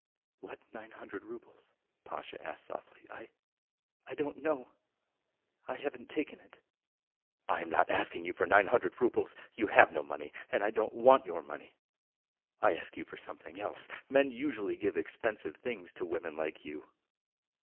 "What nine hundred roubles?" Pasha asked softly. "I ... I don't know. ... I haven't taken it." "I am not asking you for nine hundred roubles. ... You have no money, and I don't want your money. I ask you for something else. ... Men usually give expensive things to women like you.